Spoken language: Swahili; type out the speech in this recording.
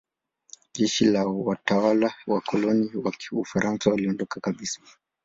Jeshi na watawala wa kikoloni wa Ufaransa waliondoka kabisa.